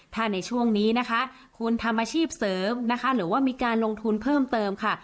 ถ้าในช่วงนี้นะคะคุณทำอาชีพเสริมนะคะหรือว่ามีการลงทุนเพิ่มเติมค่ะ